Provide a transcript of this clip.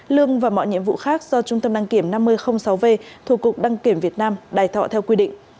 lương và mọi nhiệm vụ khác do trung tâm đăng kiểm năm mươi sáu v thuộc cục đăng kiểm việt nam đài thọ theo quy định